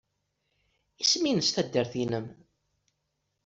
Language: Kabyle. Isem-nnes taddart-nnem?